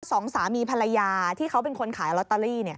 สองสามีภรรยาที่เขาเป็นคนขายลอตเตอรี่